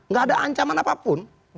gak ada ancaman apapun